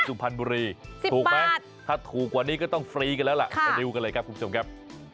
ถูกไหมถูกกว่านี้ก็ต้องฟรีกันแล้วล่ะดูกันเลยครับคุณผู้ชมครับ